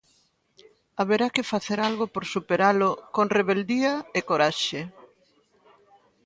Haberá que facer algo por superalo, con rebeldía e coraxe.